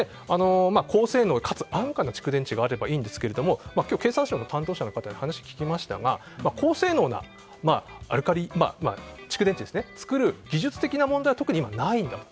高性能でかつ安価な蓄電池があればいいんですけど今日、経産省の担当者の方に話を聞きましたが高性能なアルカリ蓄電池を作る技術的な問題は今はないんだと。